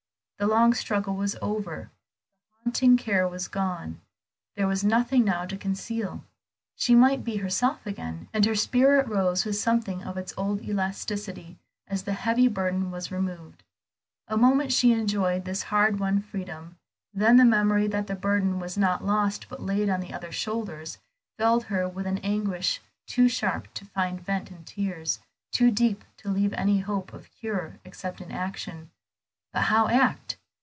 The long struggle was over; the haunting care was gone; there was nothing now to conceal; she might be herself again, and her spirit rose with something of its old elasticity as the heavy burden was removed. A moment she enjoyed this hard won freedom, then the memory that the burden was not lost but laid on other shoulders, filled her with an anguish too sharp to find vent in tears, too deep to leave any hope of cure except in action. But how act?